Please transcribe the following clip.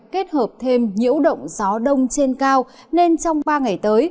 kết hợp thêm nhiễu động gió đông trên cao nên trong ba ngày tới